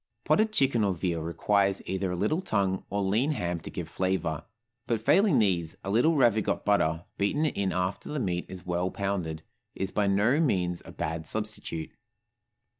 Potted chicken or veal requires either a little tongue or lean ham to give flavor; but failing these, a little ravigotte butter, beaten in after the meat is well pounded, is by no means a bad substitute.